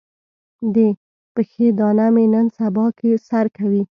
د پښې دانه مې نن سبا کې سر کوي.